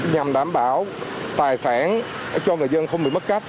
nhằm đảm bảo tài phản cho người dân không bị mất cấp